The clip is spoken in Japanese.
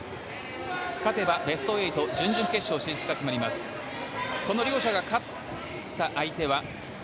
勝てばベスト８準々決勝進出が決まります。